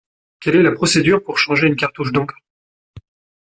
Quelle est la procédure pour changer une cartouche d'encre?